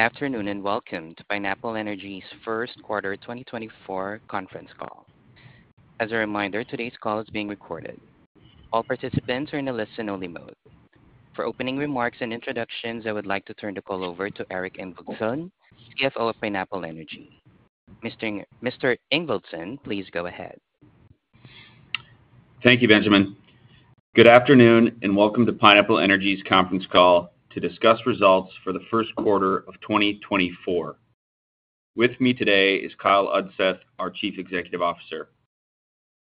Good afternoon, and welcome to Pineapple Energy's first quarter 2024 conference call. As a reminder, today's call is being recorded. All participants are in a listen-only mode. For opening remarks and introductions, I would like to turn the call over to Eric Ingvaldson, CFO of Pineapple Energy. Mr. Ingvaldson, please go ahead. Thank you, Benjamin. Good afternoon, and welcome to Pineapple Energy's conference call to discuss results for the first quarter of 2024. With me today is Kyle Udseth, our Chief Executive Officer.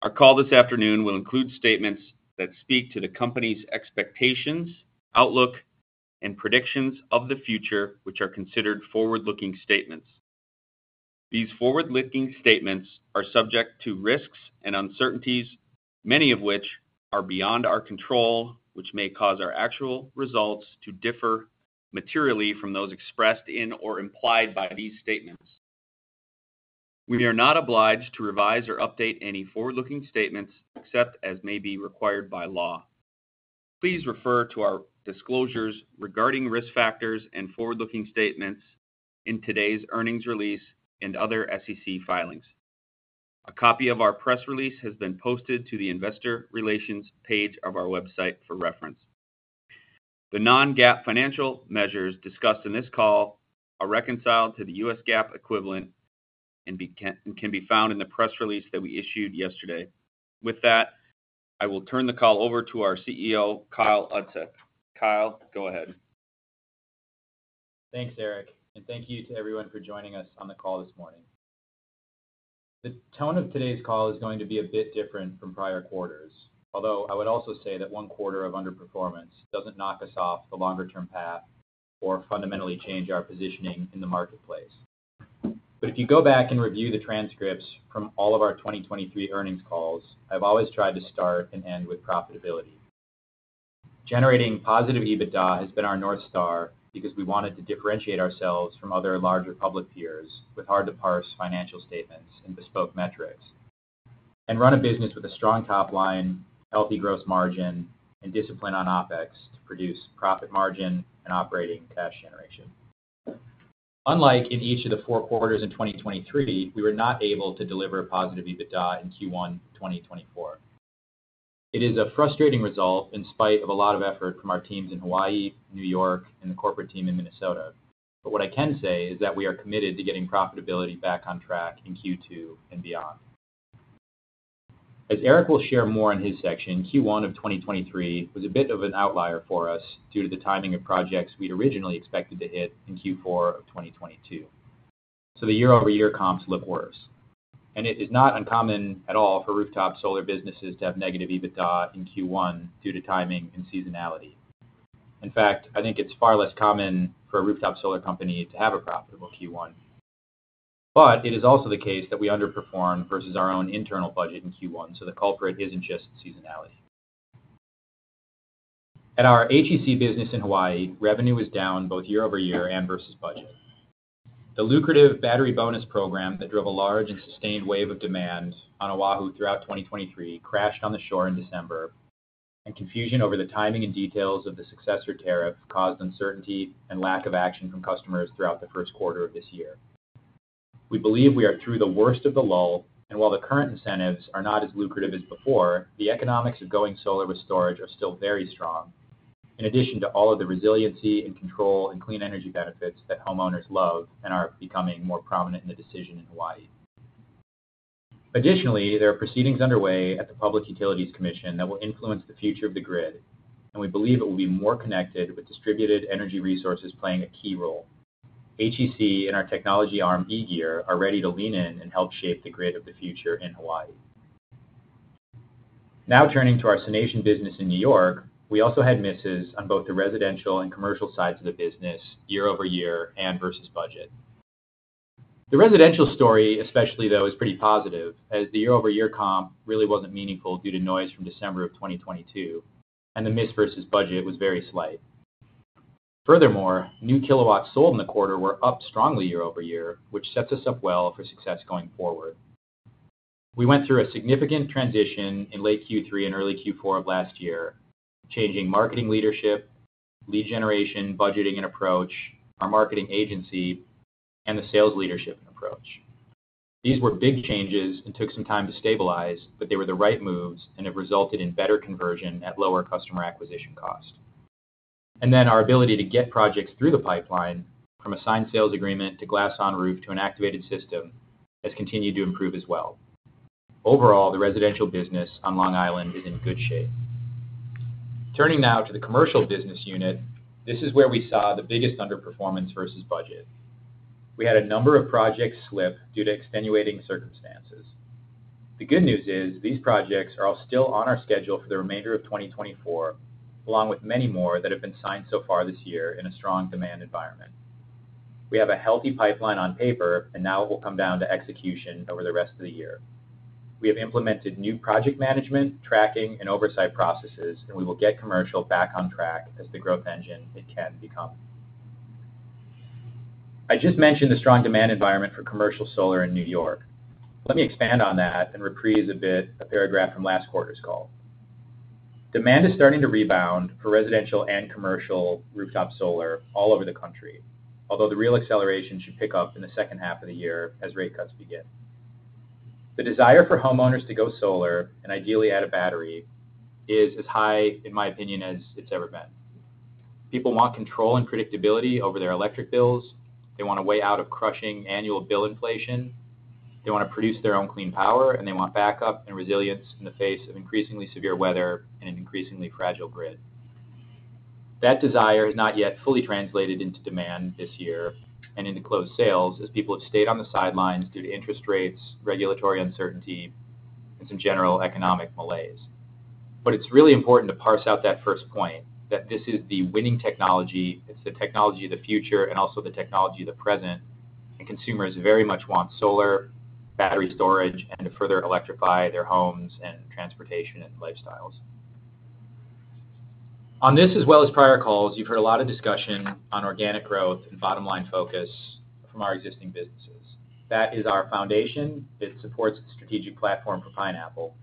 Our call this afternoon will include statements that speak to the company's expectations, outlook, and predictions of the future, which are considered forward-looking statements. These forward-looking statements are subject to risks and uncertainties, many of which are beyond our control, which may cause our actual results to differ materially from those expressed in or implied by these statements. We are not obliged to revise or update any forward-looking statements, except as may be required by law. Please refer to our disclosures regarding risk factors and forward-looking statements in today's earnings release and other SEC filings. A copy of our press release has been posted to the investor relations page of our website for reference. The non-GAAP financial measures discussed in this call are reconciled to the U.S. GAAP equivalent and can be found in the press release that we issued yesterday. With that, I will turn the call over to our CEO, Kyle Udseth. Kyle, go ahead. Thanks, Eric, and thank you to everyone for joining us on the call this morning. The tone of today's call is going to be a bit different from prior quarters, although I would also say that one quarter of underperformance doesn't knock us off the longer-term path or fundamentally change our positioning in the marketplace. But if you go back and review the transcripts from all of our 2023 earnings calls, I've always tried to start and end with profitability. Generating positive EBITDA has been our North Star because we wanted to differentiate ourselves from other larger public peers, with hard-to-parse financial statements and bespoke metrics, and run a business with a strong top line, healthy gross margin, and discipline on OpEx to produce profit margin and operating cash generation. Unlike in each of the four quarters in 2023, we were not able to deliver a positive EBITDA in Q1 2024. It is a frustrating result in spite of a lot of effort from our teams in Hawaii, New York, and the corporate team in Minnesota. But what I can say is that we are committed to getting profitability back on track in Q2 and beyond. As Eric will share more in his section, Q1 of 2023 was a bit of an outlier for us due to the timing of projects we'd originally expected to hit in Q4 of 2022. So the year-over-year comps look worse, and it is not uncommon at all for rooftop solar businesses to have negative EBITDA in Q1 due to timing and seasonality. In fact, I think it's far less common for a rooftop solar company to have a profitable Q1. But it is also the case that we underperformed versus our own internal budget in Q1, so the culprit isn't just seasonality. At our HEC business in Hawaii, revenue was down both year-over-year and versus budget. The lucrative Battery Bonus program that drove a large and sustained wave of demand on Oahu throughout 2023 crashed on the shore in December, and confusion over the timing and details of the successor tariff caused uncertainty and lack of action from customers throughout the first quarter of this year. We believe we are through the worst of the lull, and while the current incentives are not as lucrative as before, the economics of going solar with storage are still very strong. In addition to all of the resiliency and control and clean energy benefits that homeowners love and are becoming more prominent in the decision in Hawaii. Additionally, there are proceedings underway at the Public Utilities Commission that will influence the future of the grid, and we believe it will be more connected with distributed energy resources playing a key role. HEC and our technology arm, E-Gear, are ready to lean in and help shape the grid of the future in Hawaii. Now, turning to our SUNation business in New York, we also had misses on both the residential and commercial sides of the business, year-over-year and versus budget. The residential story, especially though, is pretty positive, as the year-over-year comp really wasn't meaningful due to noise from December of 2022, and the miss versus budget was very slight. Furthermore, new kilowatts sold in the quarter were up strongly year-over-year, which sets us up well for success going forward. We went through a significant transition in late Q3 and early Q4 of last year, changing marketing leadership, lead generation, budgeting and approach, our marketing agency, and the sales leadership approach. These were big changes and took some time to stabilize, but they were the right moves, and have resulted in better conversion at lower customer acquisition cost. Then our ability to get projects through the pipeline from a signed sales agreement to glass on roof to an activated system has continued to improve as well. Overall, the residential business on Long Island is in good shape. Turning now to the commercial business unit, this is where we saw the biggest underperformance versus budget. We had a number of projects slip due to extenuating circumstances. The good news is, these projects are all still on our schedule for the remainder of 2024, along with many more that have been signed so far this year in a strong demand environment. We have a healthy pipeline on paper, and now it will come down to execution over the rest of the year. We have implemented new project management, tracking, and oversight processes, and we will get commercial back on track as the growth engine it can become. I just mentioned the strong demand environment for commercial solar in New York. Let me expand on that and reprise a bit a paragraph from last quarter's call.... Demand is starting to rebound for residential and commercial rooftop solar all over the country, although the real acceleration should pick up in the second half of the year as rate cuts begin. The desire for homeowners to go solar, and ideally add a battery, is as high, in my opinion, as it's ever been. People want control and predictability over their electric bills. They want a way out of crushing annual bill inflation. They want to produce their own clean power, and they want backup and resilience in the face of increasingly severe weather and an increasingly fragile grid. That desire is not yet fully translated into demand this year and into closed sales, as people have stayed on the sidelines due to interest rates, regulatory uncertainty, and some general economic malaise. But it's really important to parse out that first point, that this is the winning technology. It's the technology of the future and also the technology of the present, and consumers very much want solar, battery storage, and to further electrify their homes and transportation and lifestyles. On this, as well as prior calls, you've heard a lot of discussion on organic growth and bottom-line focus from our existing businesses. That is our foundation. It supports the strategic platform for Pineapple,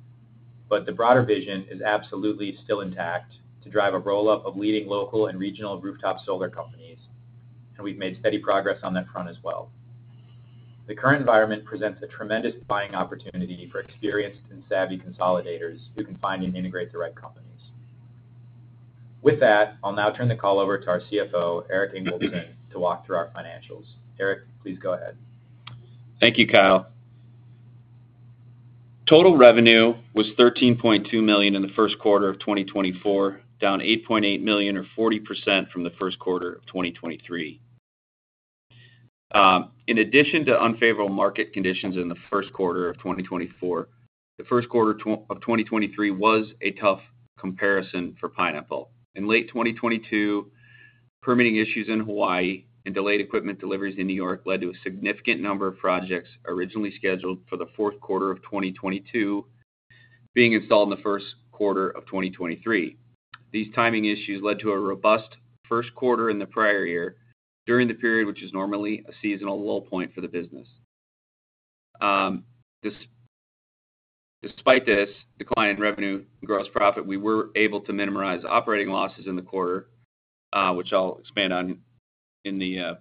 but the broader vision is absolutely still intact to drive a roll-up of leading local and regional rooftop solar companies, and we've made steady progress on that front as well. The current environment presents a tremendous buying opportunity for experienced and savvy consolidators who can find and integrate the right companies. With that, I'll now turn the call over to our CFO, Eric Ingvaldson, to walk through our financials. Eric, please go ahead. Thank you, Kyle. Total revenue was $13.2 million in the first quarter of 2024, down $8.8 million, or 40% from the first quarter of 2023. In addition to unfavorable market conditions in the first quarter of 2024, the first quarter of 2023 was a tough comparison for Pineapple. In late 2022, permitting issues in Hawaii and delayed equipment deliveries in New York led to a significant number of projects originally scheduled for the fourth quarter of 2022 being installed in the first quarter of 2023. These timing issues led to a robust first quarter in the prior year, during the period, which is normally a seasonal low point for the business. Despite this, the client revenue and gross profit, we were able to minimize operating losses in the quarter, which I'll expand on in the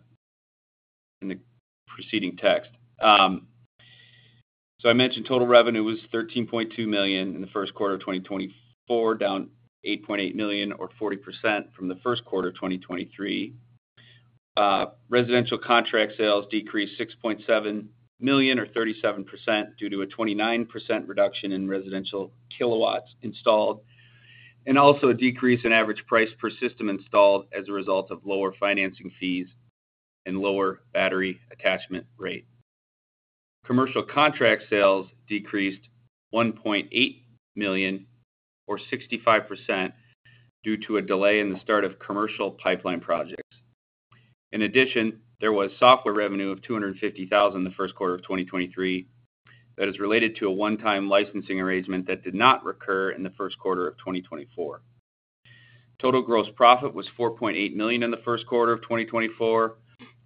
preceding text. So I mentioned total revenue was $13.2 million in the first quarter of 2024, down $8.8 million, or 40% from the first quarter of 2023. Residential contract sales decreased $6.7 million, or 37%, due to a 29% reduction in residential kilowatts installed, and also a decrease in average price per system installed as a result of lower financing fees and lower battery attachment rate. Commercial contract sales decreased $1.8 million, or 65%, due to a delay in the start of commercial pipeline projects. In addition, there was software revenue of $250,000 in the first quarter of 2023, that is related to a one-time licensing arrangement that did not recur in the first quarter of 2024. Total gross profit was $4.8 million in the first quarter of 2024,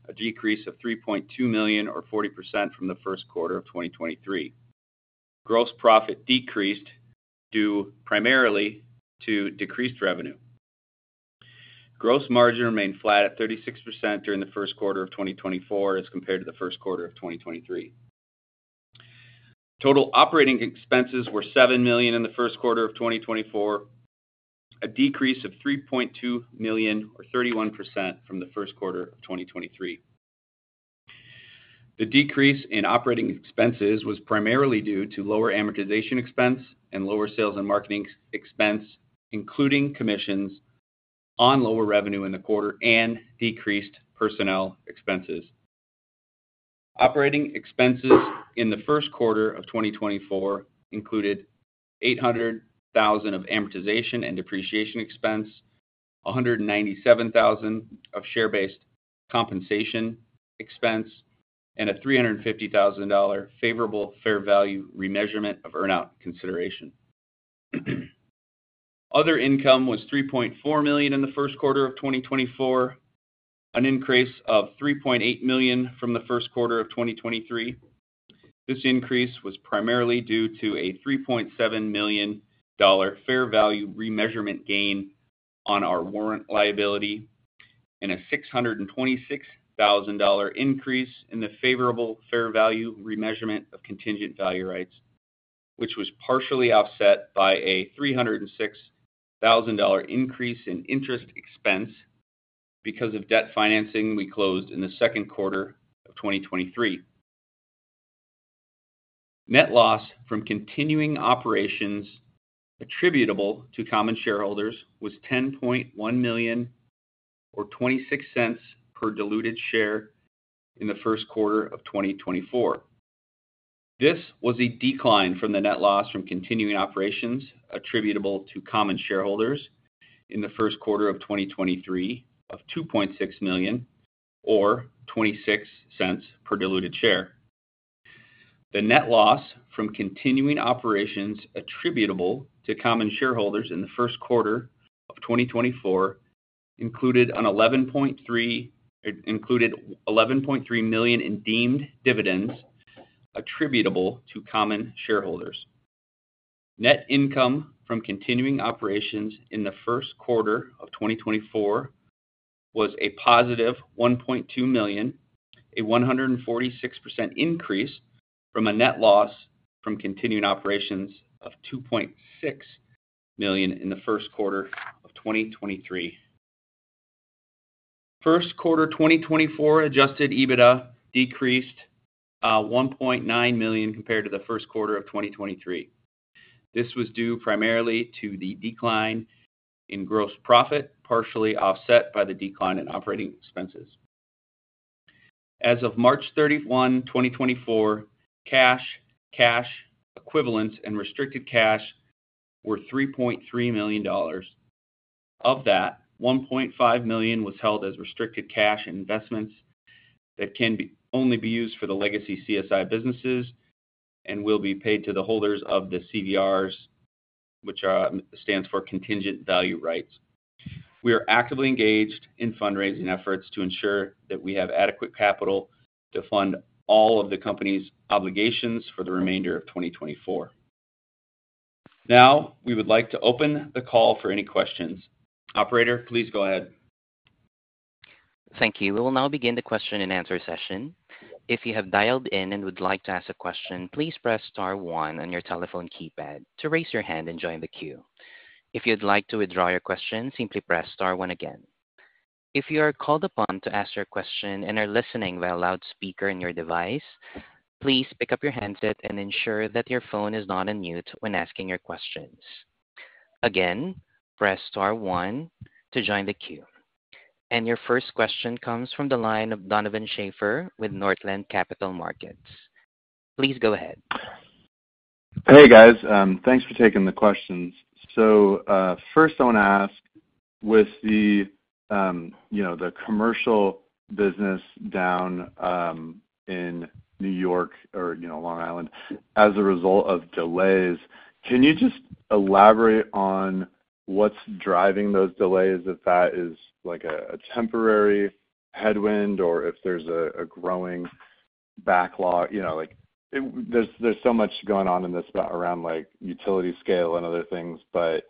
a decrease of $3.2 million, or 40%, from the first quarter of 2023. Gross profit decreased due primarily to decreased revenue. Gross margin remained flat at 36% during the first quarter of 2024 as compared to the first quarter of 2023. Total operating expenses were $7 million in the first quarter of 2024, a decrease of $3.2 million, or 31%, from the first quarter of 2023. The decrease in operating expenses was primarily due to lower amortization expense and lower sales and marketing expense, including commissions on lower revenue in the quarter and decreased personnel expenses. Operating expenses in the first quarter of 2024 included $800,000 of amortization and depreciation expense, $197,000 of share-based compensation expense, and a $350,000 favorable fair value remeasurement of earn out consideration. Other income was $3.4 million in the first quarter of 2024, an increase of $3.8 million from the first quarter of 2023. This increase was primarily due to a $3.7 million fair value remeasurement gain on our warrant liability, and a $626,000 increase in the favorable fair value remeasurement of contingent value rights, which was partially offset by a $306,000 increase in interest expense because of debt financing we closed in the second quarter of 2023. Net loss from continuing operations attributable to common shareholders was $10.1 million, or $0.26 per diluted share in the first quarter of 2024. This was a decline from the net loss from continuing operations attributable to common shareholders in the first quarter of 2023 of $2.6 million, or $0.26 per diluted share. The net loss from continuing operations attributable to common shareholders in the first quarter of 2024-... included an $11.3 million in deemed dividends attributable to common shareholders. Net income from continuing operations in the first quarter of 2024 was a positive $1.2 million, a 146% increase from a net loss from continuing operations of $2.6 million in the first quarter of 2023. First quarter 2024 adjusted EBITDA decreased $1.9 million compared to the first quarter of 2023. This was due primarily to the decline in gross profit, partially offset by the decline in operating expenses. As of March 31, 2024, cash, cash equivalents, and restricted cash were $3.3 million. Of that, $1.5 million was held as restricted cash and investments that can only be used for the legacy CSI businesses and will be paid to the holders of the CVRs, which stands for contingent value rights. We are actively engaged in fundraising efforts to ensure that we have adequate capital to fund all of the company's obligations for the remainder of 2024. Now, we would like to open the call for any questions. Operator, please go ahead. Thank you. We will now begin the question-and-answer session. If you have dialed in and would like to ask a question, please press star one on your telephone keypad to raise your hand and join the queue. If you'd like to withdraw your question, simply press star one again. If you are called upon to ask your question and are listening via loudspeaker in your device, please pick up your handset and ensure that your phone is not on mute when asking your questions. Again, press star one to join the queue. And your first question comes from the line of Donovan Schafer with Northland Capital Markets. Please go ahead. Hey, guys. Thanks for taking the questions. So, first I want to ask, with the, you know, the commercial business down, in New York or, you know, Long Island, as a result of delays, can you just elaborate on what's driving those delays, if that is like a, a temporary headwind or if there's a, a growing backlog? You know, like, there's, there's so much going on in this space around, like, utility scale and other things, but...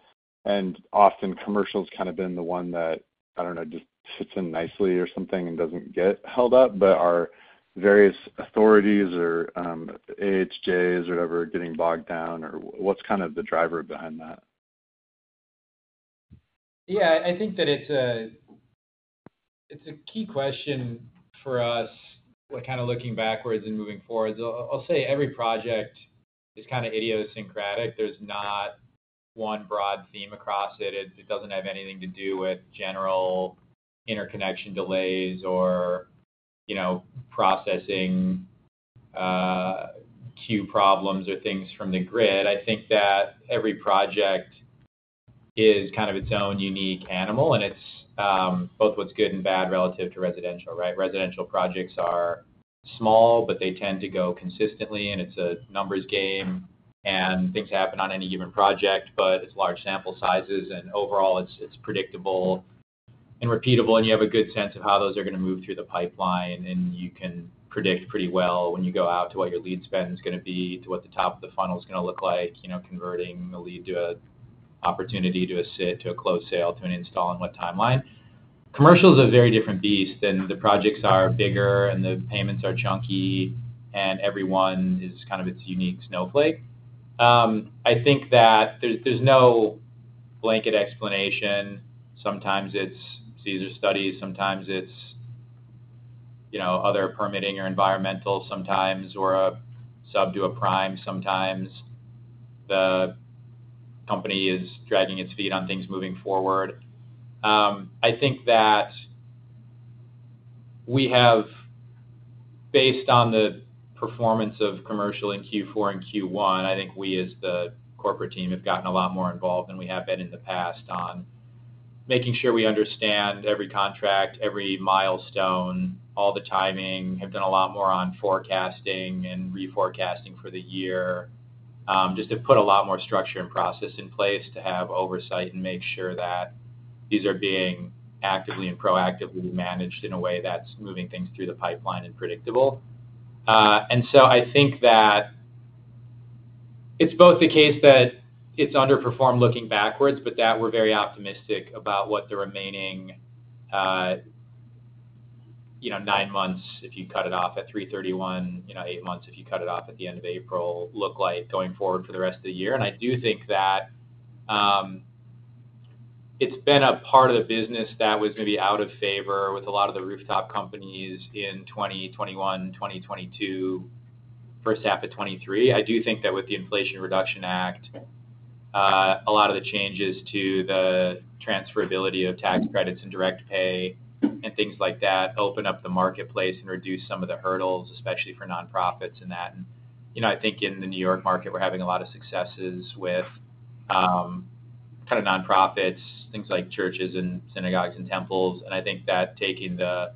And often commercial's kind of been the one that, I don't know, just fits in nicely or something and doesn't get held up. But are various authorities or, AHJs or whatever, getting bogged down, or what's kind of the driver behind that? Yeah, I think that it's a key question for us. We're kind of looking backwards and moving forward. So I'll say every project is kind of idiosyncratic. There's not one broad theme across it. It doesn't have anything to do with general interconnection delays or, you know, processing, queue problems or things from the grid. I think that every project is kind of its own unique animal, and it's both what's good and bad relative to residential, right? Residential projects are small, but they tend to go consistently, and it's a numbers game, and things happen on any given project, but it's large sample sizes, and overall, it's predictable and repeatable, and you have a good sense of how those are going to move through the pipeline. You can predict pretty well when you go out to what your lead spend is going to be, to what the top of the funnel is going to look like, you know, converting a lead to an opportunity, to a site, to a closed sale, to an install and what timeline. Commercial is a very different beast, and the projects are bigger, and the payments are chunky, and everyone is kind of its unique snowflake. I think that there's no blanket explanation. Sometimes it's feasibility studies, sometimes it's, you know, other permitting or environmental sometimes, or a sub to a prime. Sometimes the company is dragging its feet on things moving forward. I think that we have, based on the performance of commercial in Q4 and Q1, I think we, as the corporate team, have gotten a lot more involved than we have been in the past on making sure we understand every contract, every milestone, all the timing. Have done a lot more on forecasting and reforecasting for the year, just to put a lot more structure and process in place to have oversight and make sure that these are being actively and proactively managed in a way that's moving things through the pipeline and predictable. And so I think that it's both the case that it's underperformed looking backwards, but that we're very optimistic about what the remaining, you know, 9 months, if you cut it off at 3/31, you know, 8 months, if you cut it off at the end of April, look like going forward for the rest of the year. I do think that it's been a part of the business that was maybe out of favor with a lot of the rooftop companies in 2021, 2022, first half of 2023. I do think that with the Inflation Reduction Act, a lot of the changes to the transferability of tax credits and direct pay and things like that open up the marketplace and reduce some of the hurdles, especially for nonprofits and that. You know, I think in the New York market, we're having a lot of successes with kind of nonprofits, things like churches and synagogues and temples. I think that taking the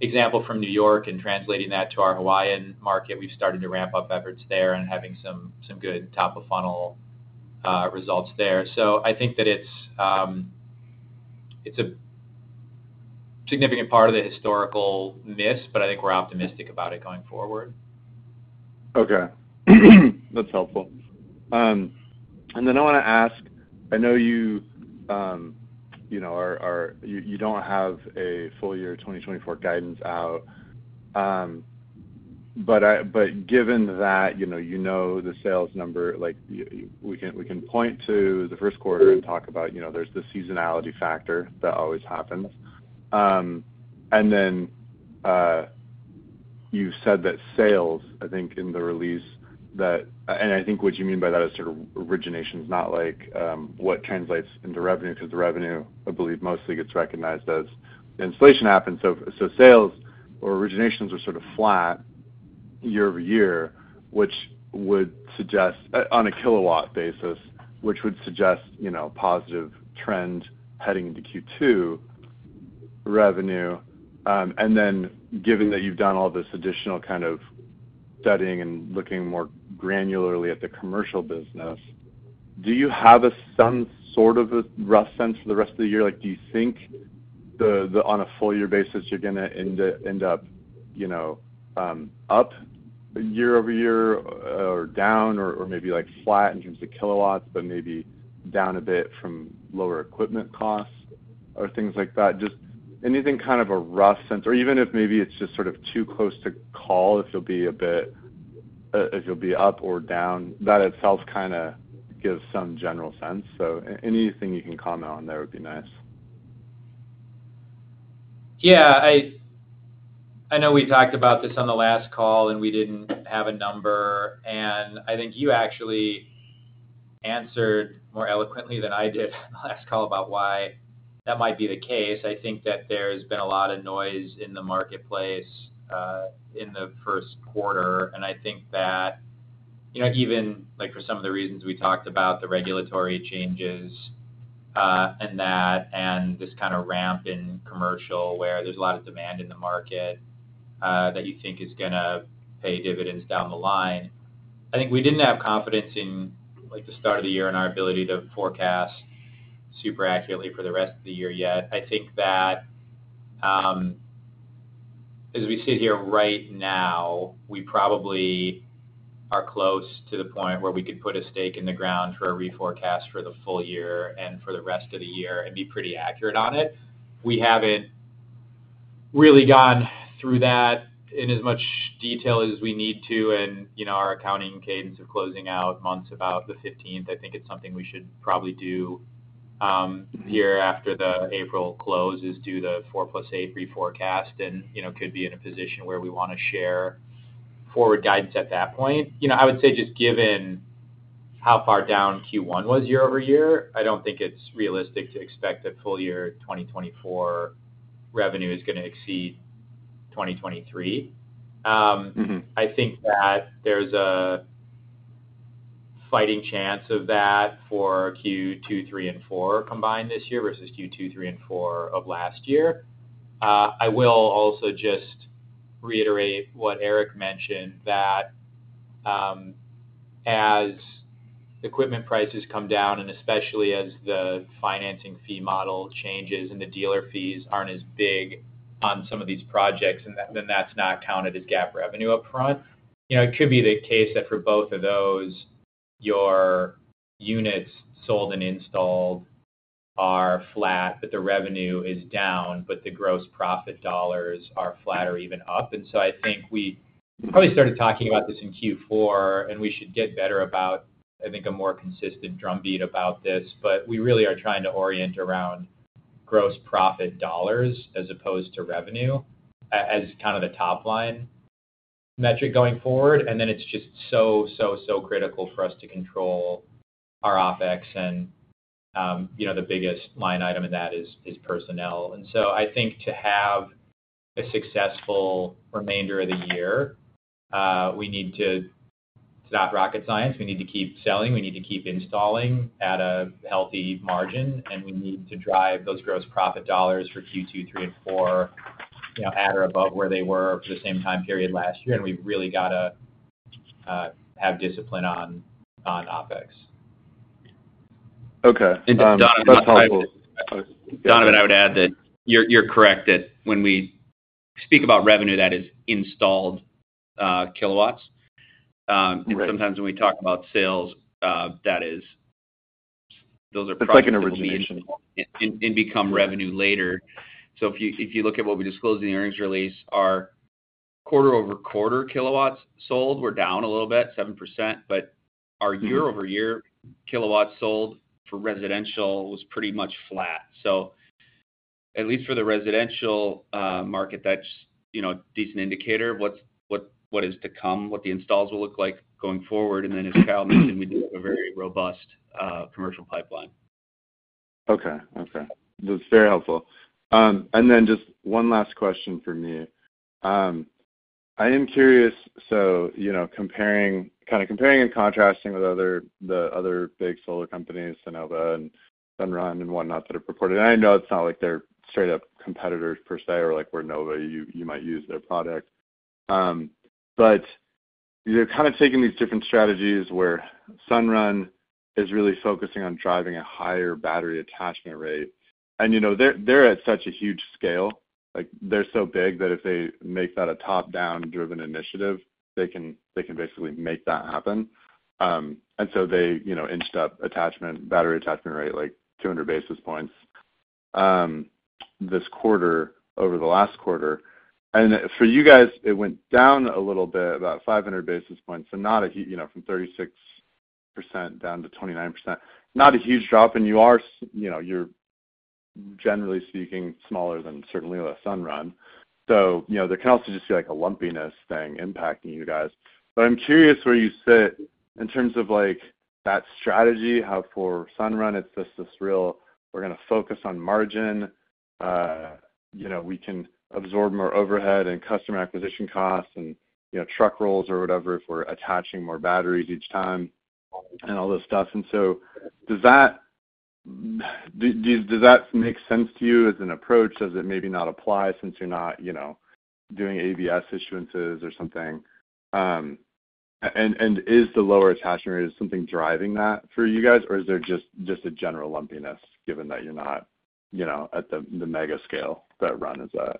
example from New York and translating that to our Hawaiian market, we've started to ramp up efforts there and having some good top-of-funnel results there. So I think that it's a significant part of the historical miss, but I think we're optimistic about it going forward. Okay. That's helpful. And then I wanna ask: I know you, you know, are you don't have a full year 2024 guidance out. But given that, you know, you know the sales number, like, we can point to the first quarter and talk about, you know, there's the seasonality factor that always happens. And then you said that sales, I think, in the release, that and I think what you mean by that is sort of originations, not like what translates into revenue, because the revenue, I believe, mostly gets recognized as installation happens. So sales or originations are sort of flat year-over-year, which would suggest... on a kilowatt basis, which would suggest, you know, a positive trend heading into Q2 revenue. And then given that you've done all this additional kind of studying and looking more granularly at the commercial business, do you have a—some sort of a rough sense for the rest of the year? Like, do you think the—on a full year basis, you're gonna end up, you know, up year over year, or down, or maybe, like, flat in terms of kilowatts, but maybe down a bit from lower equipment costs or things like that? Just anything kind of a rough sense, or even if maybe it's just sort of too close to call, if you'll be a bit... If you'll be up or down, that itself kind of gives some general sense. So anything you can comment on there would be nice. Yeah, I know we talked about this on the last call, and we didn't have a number, and I think you actually answered more eloquently than I did last call about why that might be the case. I think that there's been a lot of noise in the marketplace, in the first quarter, and I think that, you know, even, like, for some of the reasons we talked about, the regulatory changes, and that, and this kind of ramp in commercial, where there's a lot of demand in the market, that you think is gonna pay dividends down the line. I think we didn't have confidence in, like, the start of the year and our ability to forecast super accurately for the rest of the year yet. I think that, as we sit here right now, we probably are close to the point where we could put a stake in the ground for a reforecast for the full year and for the rest of the year and be pretty accurate on it. We haven't really gone through that in as much detail as we need to, and, you know, our accounting cadence of closing out months about the 15th, I think it's something we should probably do, here after the April close, is do the 4 + 8 reforecast, and, you know, could be in a position where we wanna share forward guidance at that point. You know, I would say, just given how far down Q1 was year-over-year, I don't think it's realistic to expect that full year 2024 revenue is gonna exceed 2023. Mm-hmm. I think that there's a fighting chance of that for Q2, Q3, and Q4 combined this year versus Q2, Q3, and Q4 of last year. I will also just reiterate what Eric mentioned, that as equipment prices come down, and especially as the financing fee model changes, and the dealer fees aren't as big on some of these projects, and then that's not counted as GAAP revenue up front. You know, it could be the case that for both of those, your units sold and installed are flat, but the revenue is down, but the gross profit dollars are flat or even up. And so I think we probably started talking about this in Q4, and we should get better about, I think, a more consistent drumbeat about this. But we really are trying to orient around gross profit dollars as opposed to revenue, as kind of the top-line metric going forward. And then it's just so, so, so critical for us to control our OpEx and, you know, the biggest line item in that is, is personnel. And so I think to have a successful remainder of the year, we need to—it's not rocket science. We need to keep selling, we need to keep installing at a healthy margin, and we need to drive those gross profit dollars for Q2, three, and four, you know, at or above where they were for the same time period last year, and we've really got to have discipline on, on OpEx. Okay, that's helpful. Donovan, I would add that you're, you're correct, that when we speak about revenue that is installed, kilowatts, Right... sometimes when we talk about sales, that is, those are- It's like an origination. and become revenue later. So if you look at what we disclosed in the earnings release, our quarter-over-quarter kilowatts sold were down a little bit, 7%, but our year-over-year kilowatts sold for residential was pretty much flat. So at least for the residential market, that's, you know, a decent indicator of what's what is to come, what the installs will look like going forward. And then, as Kyle mentioned, we do have a very robust commercial pipeline. Okay. Okay, that's very helpful. And then just one last question from me. I am curious, so, you know, comparing, kind of comparing and contrasting with other- the other big solar companies, Sunnova and Sunrun and whatnot, that are purported. And I know it's not like they're straight-up competitors per se, or like where Sunnova, you, you might use their product. But you're kind of taking these different strategies where Sunrun is really focusing on driving a higher battery attachment rate. And, you know, they're, they're at such a huge scale, like, they're so big that if they make that a top-down driven initiative, they can, they can basically make that happen. And so they, you know, inched up attachment, battery attachment rate, like, 200 basis points, this quarter over the last quarter. For you guys, it went down a little bit, about 500 basis points. So not a huge drop, you know, from 36% down to 29%. Not a huge drop, and you are, you know, you're, generally speaking, smaller than certainly Sunrun. So, you know, there can also just be, like, a lumpiness thing impacting you guys. But I'm curious where you sit in terms of, like, that strategy, how for Sunrun, it's just this real, "We're gonna focus on margin. You know, we can absorb more overhead and customer acquisition costs and, you know, truck rolls or whatever, if we're attaching more batteries each time, and all this stuff." And so does that make sense to you as an approach? Does it maybe not apply, since you're not, you know, doing ABS issuances or something? And is the lower attachment rate something driving that for you guys, or is there just a general lumpiness, given that you're not, you know, at the mega scale that Sunrun is at?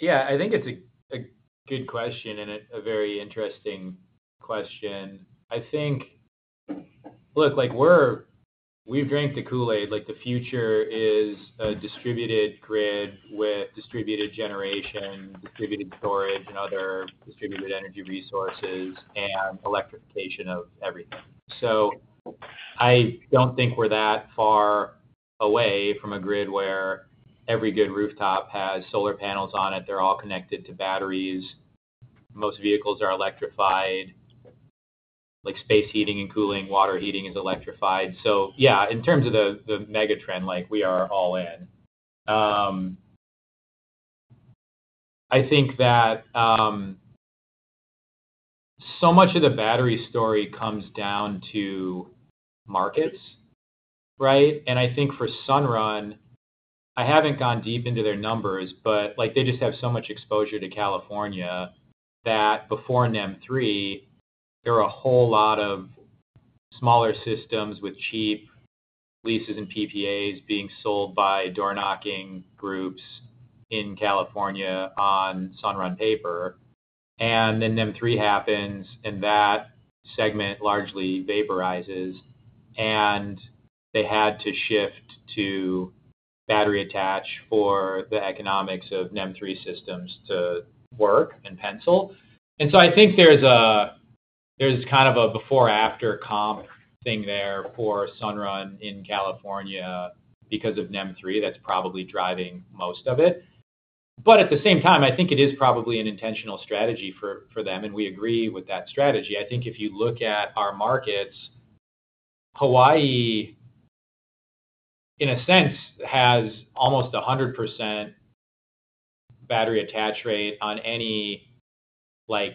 Yeah, I think it's a good question and a very interesting question. I think... Look, like we're- we've drank the Kool-Aid, like, the future is a distributed grid with distributed generation, distributed storage, and other distributed energy resources, and electrification of everything. So I don't think we're that far away from a grid where every good rooftop has solar panels on it, they're all connected to batteries, most vehicles are electrified, like, space heating and cooling, water heating is electrified. So yeah, in terms of the mega trend, like, we are all in. I think that so much of the battery story comes down to markets, right? I think for Sunrun, I haven't gone deep into their numbers, but, like, they just have so much exposure to California, that before NEM 3, there were a whole lot of smaller systems with cheap leases and PPAs being sold by door-knocking groups in California on Sunrun paper. And then NEM 3 happens, and that segment largely vaporizes, and they had to shift to battery attach for the economics of NEM 3 systems to work and pencil. And so I think there's a, there's kind of a before-or-after comp thing there for Sunrun in California because of NEM 3, that's probably driving most of it. But at the same time, I think it is probably an intentional strategy for, for them, and we agree with that strategy. I think if you look at our markets, Hawaii, in a sense, has almost 100% battery attach rate on any, like,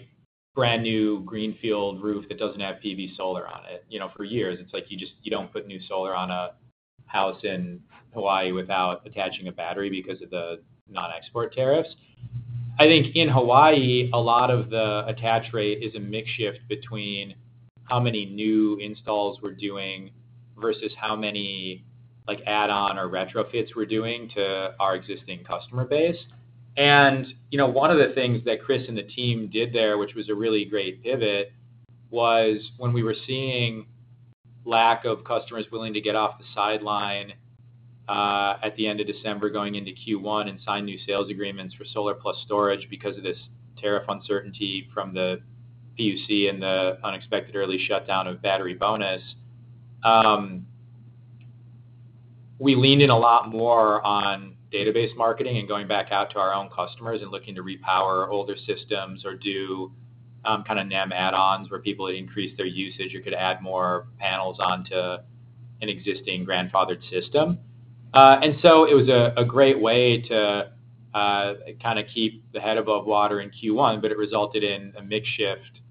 brand-new greenfield roof that doesn't have PV solar on it. You know, for years, it's like you just- you don't put new solar on a house in Hawaii without attaching a battery because of the non-export tariffs. I think in Hawaii, a lot of the attach rate is a mix-shift between how many new installs we're doing versus how many, like, add-on or retrofits we're doing to our existing customer base. You know, one of the things that Chris and the team did there, which was a really great pivot, was when we were seeing lack of customers willing to get off the sideline at the end of December, going into Q1, and sign new sales agreements for solar plus storage because of this tariff uncertainty from the PUC and the unexpected early shutdown of Battery Bonus, we leaned in a lot more on database marketing and going back out to our own customers and looking to repower older systems or do kind of NEM add-ons, where people increase their usage, or could add more panels onto an existing grandfathered system. And so it was a great way to kind of keep the head above water in Q1, but it resulted in a mix-shift,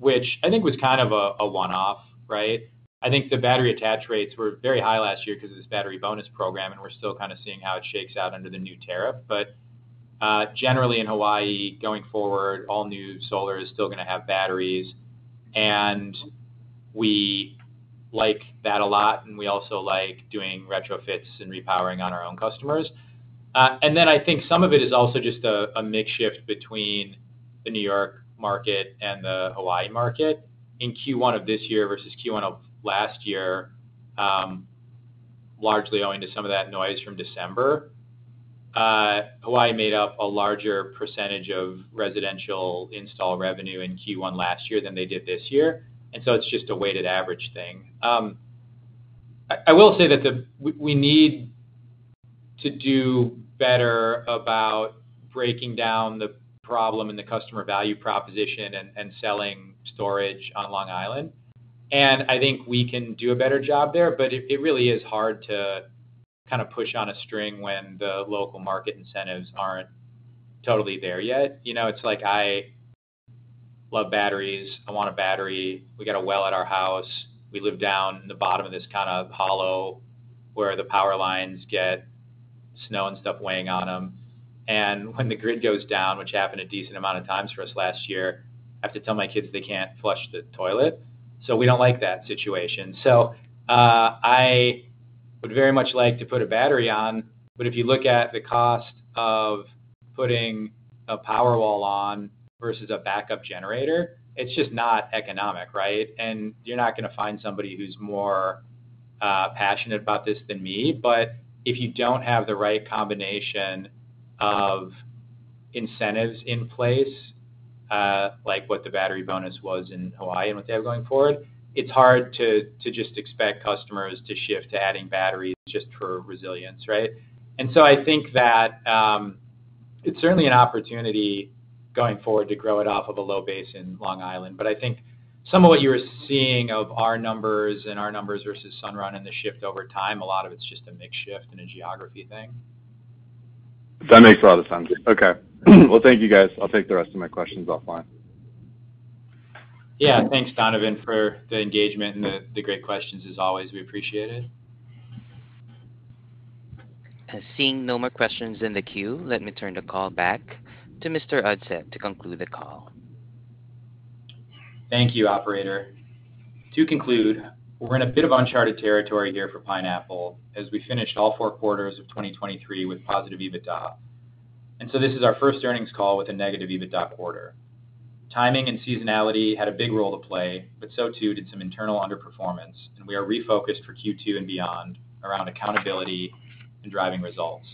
which I think was kind of a one-off, right? I think the battery attach rates were very high last year because of this Battery bonus program, and we're still kind of seeing how it shakes out under the new tariff. But generally in Hawaii, going forward, all new solar is still gonna have batteries, and we like that a lot, and we also like doing retrofits and repowering on our own customers. And then I think some of it is also just a mix-shift between the New York market and the Hawaii market. In Q1 of this year versus Q1 of last year, largely owing to some of that noise from December, Hawaii made up a larger percentage of residential install revenue in Q1 last year than they did this year, and so it's just a weighted average thing. I will say that we need to do better about breaking down the problem and the customer value proposition and selling storage on Long Island. And I think we can do a better job there, but it really is hard to kind of push on a string when the local market incentives aren't totally there yet. You know, it's like I love batteries. I want a battery. We got a well at our house. We live down in the bottom of this kind of hollow where the power lines get snow and stuff weighing on them. When the grid goes down, which happened a decent amount of times for us last year, I have to tell my kids they can't flush the toilet. We don't like that situation. I would very much like to put a battery on, but if you look at the cost of putting a Powerwall on versus a backup generator, it's just not economic, right? And you're not gonna find somebody who's more passionate about this than me. But if you don't have the right combination of incentives in place, like what the Battery Bonus was in Hawaii and what they have going forward, it's hard to just expect customers to shift to adding batteries just for resilience, right? And so I think that it's certainly an opportunity going forward to grow it off of a low base in Long Island. But I think some of what you're seeing of our numbers and our numbers versus Sunrun and the shift over time, a lot of it's just a mix shift and a geography thing. That makes a lot of sense. Okay. Well, thank you, guys. I'll take the rest of my questions offline. Yeah, thanks, Donovan, for the engagement and the, the great questions, as always. We appreciate it. Seeing no more questions in the queue, let me turn the call back to Mr. Udseth to conclude the call. Thank you, operator. To conclude, we're in a bit of uncharted territory here for Pineapple, as we finished all four quarters of 2023 with positive EBITDA. And so this is our first earnings call with a negative EBITDA quarter. Timing and seasonality had a big role to play, but so too, did some internal underperformance, and we are refocused for Q2 and beyond around accountability and driving results.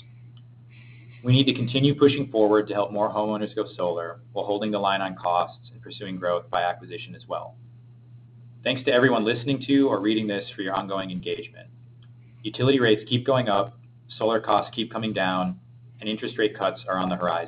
We need to continue pushing forward to help more homeowners go solar, while holding the line on costs and pursuing growth by acquisition as well. Thanks to everyone listening to or reading this for your ongoing engagement. Utility rates keep going up, solar costs keep coming down, and interest rate cuts are on the horizon.